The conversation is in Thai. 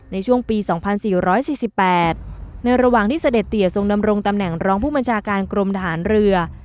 ในช่วงปี๒๔๔๘ในระหว่างที่เสด็จเตียทรงดำรงตำแหน่งรองผู้บัญชาการกรมทหารเรือ